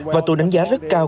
và tôi đánh giá rất cao